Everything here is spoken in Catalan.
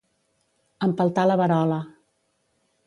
Empeltar la verola.